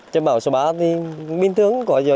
trên bảo số ba thì bình thường có gì mà